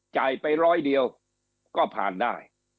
จ่ายไปร้อยเดียวก็ผ่านได้